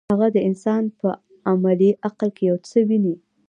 هغه د انسان په عملي عقل کې یو څه ویني.